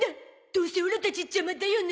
どうせオラたちジャマだよね。